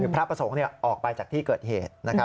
พระประสงค์ออกไปจากที่เกิดเหตุ